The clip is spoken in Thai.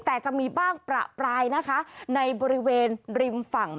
แต่จะมีบ้างประปรายนะคะในบริเวณริมฝั่ง